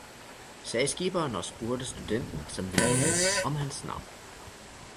sagde skipperen og spurgte studenten, som ville med, om hans navn.